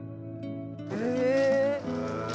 へえ。